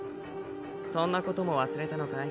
そんなことも忘れたのかい？